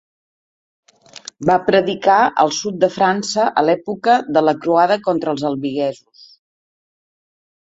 Va predicar al sud de França a l'època de la croada contra els albigesos.